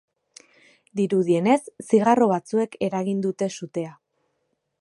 Dirudienez, zigarro batzuek eragin dute sutea.